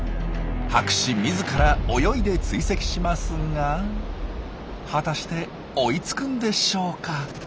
博士みずから泳いで追跡しますが果たして追いつくんでしょうか？